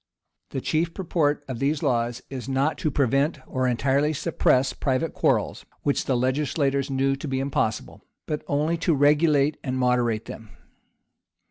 The chief purport of these laws is not to prevent or entirely suppress private quarrels, which the legislators knew to be impossible, but only to regulate and moderate them.